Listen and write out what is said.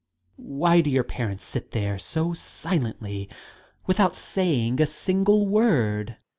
Why do your parents sit there so silently, without saying a single word?